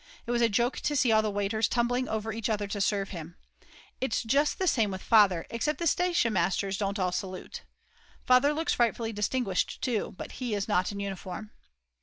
It was a joke to see all the waiters tumbling over each other to serve him. It s just the same with Father, except that the stationmasters don't all salute. Father looks frightfully distinguished too, but he is not in uniform.